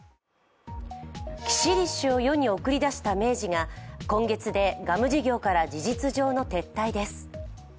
キシリッシュを世に送り出した明治が今月でガム事業から事実上の撤退です。